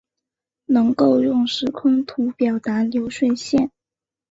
能够用时空图表达流水线